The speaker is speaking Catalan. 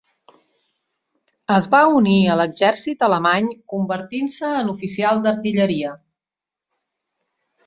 Es va unir a l'exèrcit alemany, convertint-se en oficial d'artilleria.